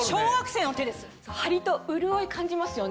ハリと潤い感じますよね。